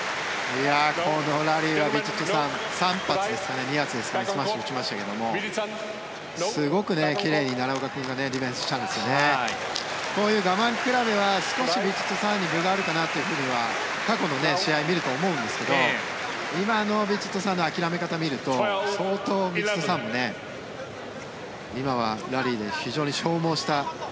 このラリーはヴィチットサーン３発ですか、２発ですかスマッシュ打ちましたがすごく奇麗に奈良岡君がディフェンスしたんですよね。こういう我慢比べは少しヴィチットサーンに分があるかなとは過去の試合を見ると思うんですが今、ヴィチットサーンの諦め方を見ると相当、ヴィチットサーンも今はラリーで非常に消耗した。